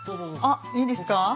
あっいいですか？